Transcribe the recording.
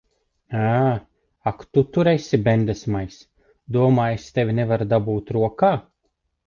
Ā! Ak tu tur esi, bendesmaiss! Domā, es tevi nevaru dabūt rokā.